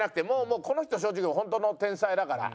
もうこの人正直本当の天才だから。